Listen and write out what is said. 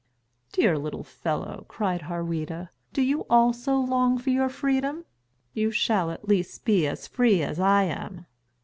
"Dear little fellow," cried Harweda, "do you also long for your freedom? You shall at least be as free as I am."